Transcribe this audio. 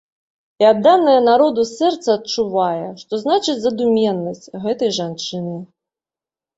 І адданае народу сэрца адчувае, што значыць задуменнасць гэтай жанчыны.